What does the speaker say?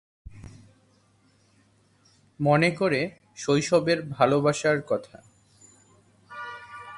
মনে করে শৈশবের ভালোবাসার কথা।